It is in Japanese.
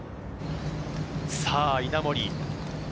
さぁ、稲森。